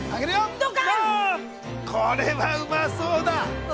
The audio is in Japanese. これはうまそうだ！